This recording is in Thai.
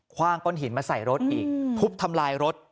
ว่างก้อนหินมาใส่รถอีกทุบทำลายรถ